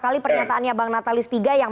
kali pernyataannya bang natalis pigai yang